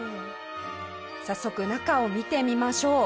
早速中を見てみましょう。